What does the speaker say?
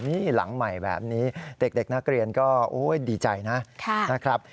นี่หลังใหม่แบบนี้เด็กนักเรียนก็ดีใจนะครับ